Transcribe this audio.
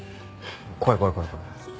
怖い怖い怖い怖い。